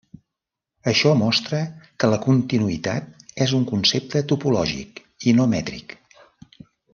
Això mostra que la continuïtat és un concepte topològic i no mètric.